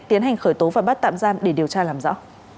tiến hành khởi tố và bắt tạm giam để điều tra làm rõ